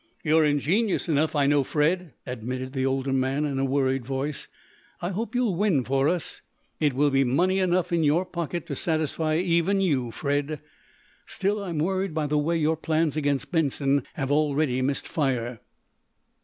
"You're ingenious enough, I know, Fred," admitted the older man, in a worried voice. "I hope you'll win for us. It will be money enough in your pocket to satisfy even you, Fred. Still, I'm worried by the way your plans against Benson have already missed fire."